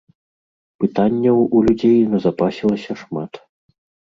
Пытанняў у людзей назапасілася шмат.